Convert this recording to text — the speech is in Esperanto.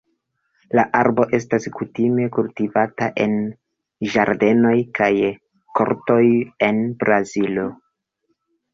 La arbo estas kutime kultivata en ĝardenoj kaj kortoj en Brazilo.